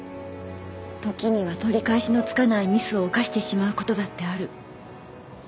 時には取り返しのつかないミスを犯してしまうことだってある。